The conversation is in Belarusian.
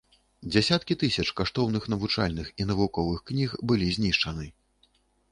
Дзясяткі тысяч каштоўных навучальных і навуковых кніг былі знішчаны.